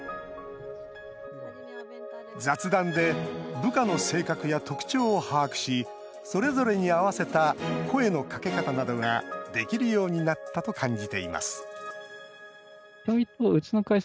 雑談で部下の性格や特徴を把握しそれぞれに合わせた声のかけ方などができるようになったと感じています